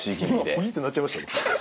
今ポキって鳴っちゃいましたよ。